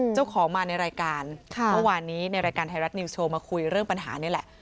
เจ้าของมาในรายการเมื่อวานนี้ในรายการไทยรัฐนิวโชว์มาคุยเรื่องปัญหานี่แหละ